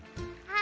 あ。